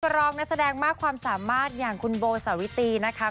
รองนักแสดงมากความสามารถอย่างคุณโบสาวิตีนะคะ